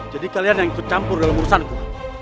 jadi kalian yang tercampur dalam urusanku